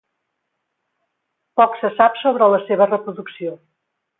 Poc se sap sobre la seva reproducció.